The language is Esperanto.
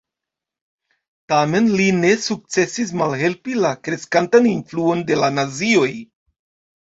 Tamen li ne sukcesis malhelpi la kreskantan influon de la nazioj.